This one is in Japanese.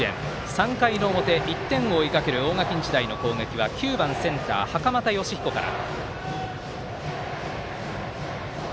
３回の表、１点を追いかける大垣日大の攻撃は９番、センター、袴田好彦から。